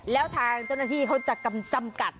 แล้วทางเจ้าหน้าที่เขาจะจำกัด